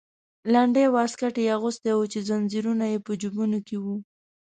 لنډی واسکټ یې اغوستی و چې زنځیرونه یې په جیبونو کې وو.